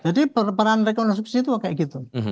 jadi peran rekonstruksi itu kayak gitu